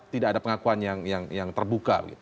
tidak ada pengakuan yang terbuka